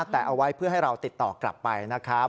แต่เอาไว้เพื่อให้เราติดต่อกลับไปนะครับ